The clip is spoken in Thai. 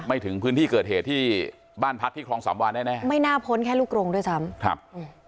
ถึงพื้นที่เกิดเหตุที่บ้านพักที่คลองสามวานแน่แน่ไม่น่าพ้นแค่ลูกโรงด้วยซ้ำครับอืม